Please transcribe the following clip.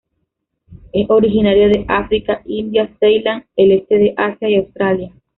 Es originario de África, India, Ceilán, el este de Asia y Australia.